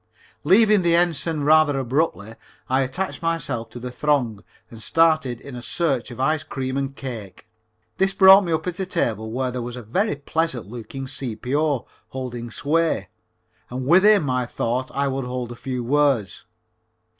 Leaving the Ensign rather abruptly, I attached myself to the throng and started in search of ice cream and cake. This brought me up at a table where there was a very pleasant looking C.P.O. holding sway, and with him I thought I would hold a few words.